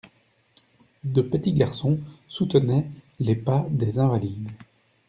De petits garçons soutenaient les pas des invalides.